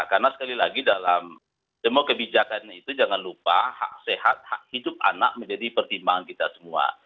karena sekali lagi dalam demo kebijakan itu jangan lupa hak sehat hak hidup anak menjadi pertimbangan kita semua